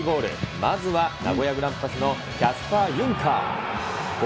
まずは名古屋グランパスのキャスパー・ユンカー。